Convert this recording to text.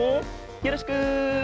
よろしく。